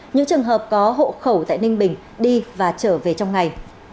những trường hợp có hộ khẩu tại ninh bình đi và trở về trong ngày